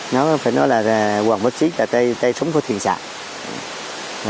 nó phải nói là quần bất xích là tay súng của trinh sát